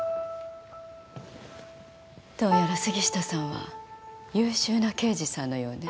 どうやら杉下さんは優秀な刑事さんのようね。